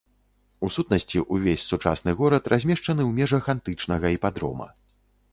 У сутнасці, увесь сучасны горад размешчаны ў межах антычнага іпадрома.